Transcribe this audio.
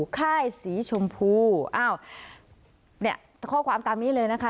ค่ายสีชมพูอ้าวเนี่ยข้อความตามนี้เลยนะคะ